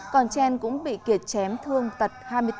còn trên cũng bị kiệt chém thương tật hai mươi bốn